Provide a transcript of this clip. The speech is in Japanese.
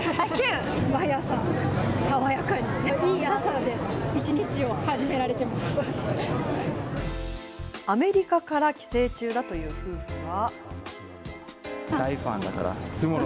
毎朝、爽やかに、いい朝で一日をアメリカから帰省中だという夫婦は。